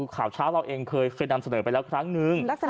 เขาเราเองเคยเสนอไปแล้วครั้งนึง